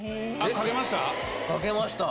かけました。